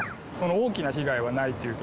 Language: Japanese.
大きな被害はないという所。